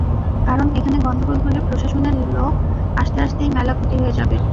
কারণ, এখানে গন্ডগোল হলে প্রশাসনের নোক আসতে আসতেই ম্যালা ক্ষতি হয়া যাবে।